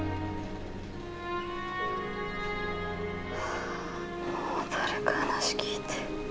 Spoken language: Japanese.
あもう誰か話聞いて。